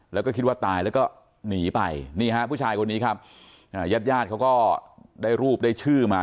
แล้วก็คิดว่าตายแล้วก็หนีไปนี่ฮะผู้ชายคนนี้ครับญาติญาติเขาก็ได้รูปได้ชื่อมา